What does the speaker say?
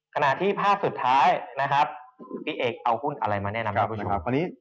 ขณะที่ภาพสุดท้ายปีเอกเอาหุ้นอะไรมาแนะนำกัน